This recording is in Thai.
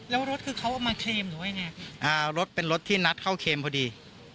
แล้วรถคือเขาเอามาเคลมหรือว่ายังไงอ่ารถเป็นรถที่นัดเข้าเคมพอดี